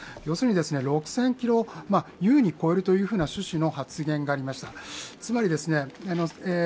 要するに６０００ｋｍを優に超えるという趣旨の発言がありました。